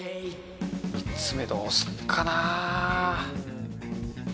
３つ目どうすっかなぁ。